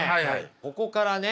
ここからね